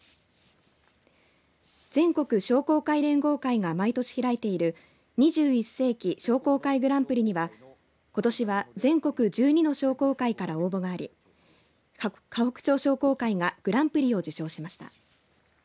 全国商工会連合会が毎年開いている２１世紀商工会グランプリにはことしは全国１２の商工会から応募があり河北町商工会がグランプリを受賞しました。